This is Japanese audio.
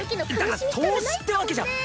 だから投資ってわけじゃ。